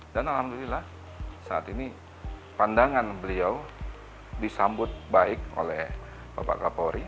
dan alhamdulillah saat ini pandangan beliau disambut baik oleh bapak kapolri